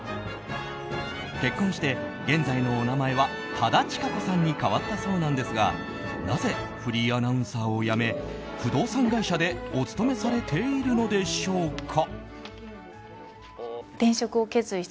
結婚して、現在のお名前は多田千佳子さんに変わったそうなんですがなぜ、フリーアナウンサーを辞め不動産会社でお勤めされているのでしょうか。